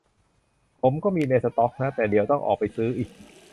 ผมก็มีในสต็อกนะ แต่เดี๋ยวต้องออกไปซื้ออีก